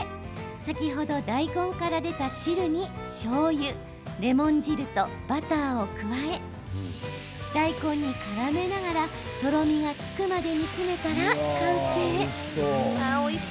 先ほど、大根から出た汁にしょうゆ、レモン汁とバターを加え大根にからめながらとろみがつくまで煮詰めたら完成。